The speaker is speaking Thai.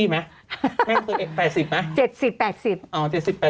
แม่เป็น๘๐มั้ย